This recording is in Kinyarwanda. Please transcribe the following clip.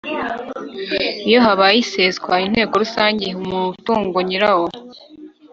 Iyo habaye iseswa Inteko Rusange iha umutungo nyirawo